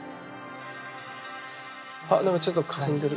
あ何かちょっとかすんでる。